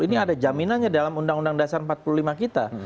ini ada jaminannya dalam undang undang dasar empat puluh lima kita